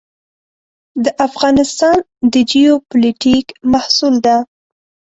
د افغانستان د جیوپولیټیک محصول ده.